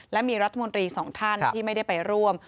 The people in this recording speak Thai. และมีรัฐมนตรีสองท่านที่ไม่ได้ไปร่วม